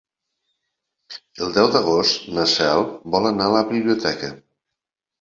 El deu d'agost na Cel vol anar a la biblioteca.